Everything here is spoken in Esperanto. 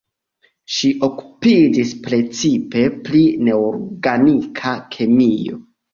Ŝi okupiĝis precipe pri neorganika kemio.